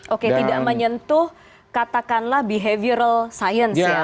oke tidak menyentuh katakanlah behavioral science ya